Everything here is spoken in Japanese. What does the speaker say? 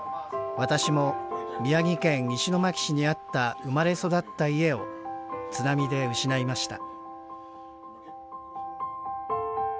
私も宮城県石巻市にあった生まれ育った家を津波で失いました